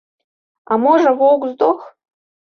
А можа, воўк здох?